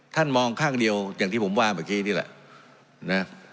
ท่านมองข้างเดียวอย่างที่ผมว่าเมื่อกี้นี่แหละนะ